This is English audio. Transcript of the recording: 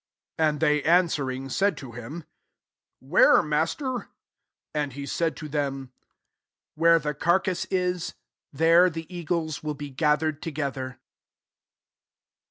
'' 36 And they an swering, said to him, «« Where, Master V^ and he said ta them, •* Where the carcase w, there the eagles will be gathered to gether.